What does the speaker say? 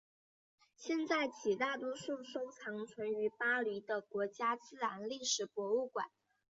现在起大多数收藏存于巴黎的国家自然历史博物馆。